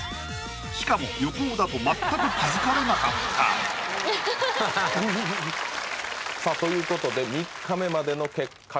しかも横尾だと全く気づかれなかったさあということで３日目までの結果